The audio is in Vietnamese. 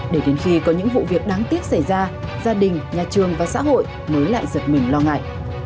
để đến khi có những vụ việc đáng tiếc xảy ra gia đình nhà trường và xã hội mới lại giật mình lo ngại